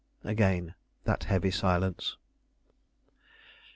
Again that heavy silence.